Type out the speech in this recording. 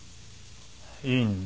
いいんだ。